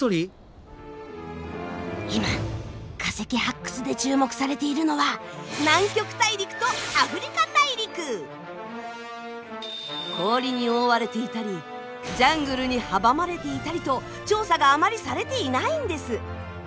今化石発掘で注目されているのは氷に覆われていたりジャングルに阻まれていたりと調査があまりされていないんです。